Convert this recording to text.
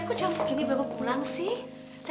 aku jam segini baru pulang sih